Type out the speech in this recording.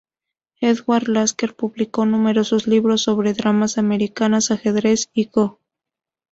Edward Lasker publicó numerosos libros sobre damas americanas, ajedrez y Go.